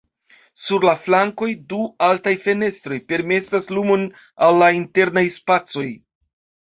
Sur la flankoj, du altaj fenestroj permesas lumon al la internaj spacoj.